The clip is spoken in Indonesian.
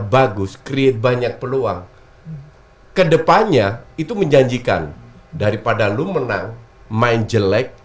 bagus create banyak peluang kedepannya itu menjanjikan daripada lu menang main jelek